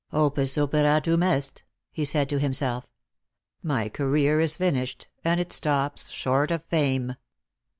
" Opus operatum est," he said to himself. " My career is nnished, and it stops short of fame."